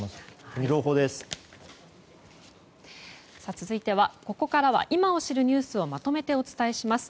続いては、ここからは今を知るニュースをまとめてお伝えします。